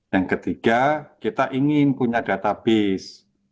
yang ketiga kita ingin punya database